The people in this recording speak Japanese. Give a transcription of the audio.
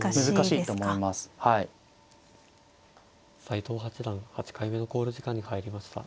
斎藤八段８回目の考慮時間に入りました。